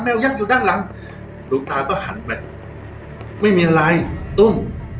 แววยักษ์อยู่ด้านหลังหลวงตาก็หันไปไม่มีอะไรตุ้ม